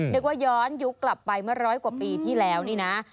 เดี๋ยวกว่าย้อนยุคกลับไปเมื่อ๑๐๐กว่าปีที่แล้วนี้นะ